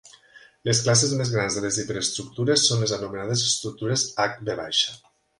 Les classes més grans de les hiperestructures són les anomenades estructures "Hv".